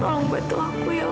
tolong bantu aku ya